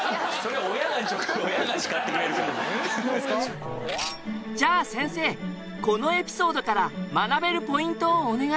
親にじゃあ先生このエピソードから学べるポイントをお願いします。